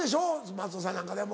松尾さんなんかでも。